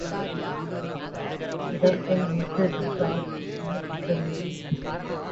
விரல்கள் முக்கைப்பிடித்து ஆட்டிப் பின்னுக்குத் தள்ளின.